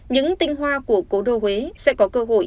những tinh hoa của cố đô huế sẽ có cơ hội